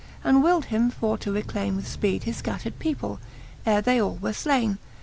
And willed him for to reclayme with ipeed His fcattred people, ere they all were flaine.